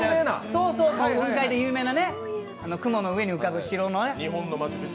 雲海で有名なね、雲の上に浮かぶ城のね。